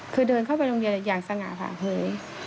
คือเดินเข้าไปโรงเรียนอย่างสง่าผ่าเหย